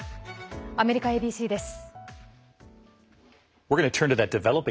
アメリカＡＢＣです。